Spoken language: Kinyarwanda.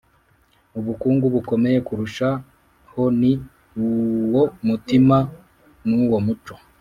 ubukungu bukomeye kurushaho ni uwo mutima n’uwo muco